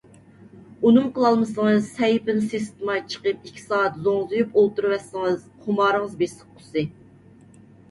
ئۇنىمۇ قىلالمىسىڭىز سەھىپىنى سېسىتماي چىقىپ ئىككى سائەت زوڭزىيىپ ئولتۇرۇۋەتسىڭىز خۇمارىڭىز بېسىققۇسى.